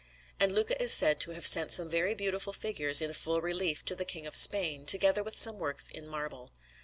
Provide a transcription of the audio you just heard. And Luca is said to have sent some very beautiful figures in full relief to the King of Spain, together with some works in marble.